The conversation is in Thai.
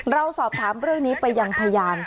เราสอบถามเรื่องนี้ไปยังพยาน